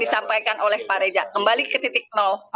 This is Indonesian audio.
disampaikan oleh pak reza kembali ke titik